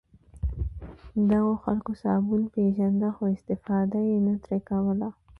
دغو خلکو صابون پېژانده خو استفاده یې نه ترې کوله.